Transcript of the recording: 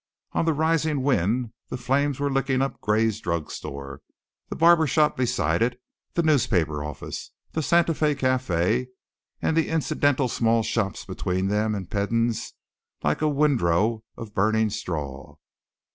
On the rising wind the flames were licking up Gray's drug store, the barber shop beside it, the newspaper office, the Santa Fé café and the incidental small shops between them and Peden's like a windrow of burning straw.